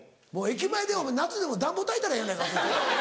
駅前でお前夏でも暖房たいたらええやないか。